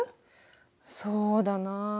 そうだなあ。